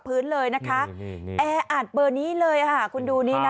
พื้นเลยนะคะแอะประโยชน์นี้เลยคุณดูนี้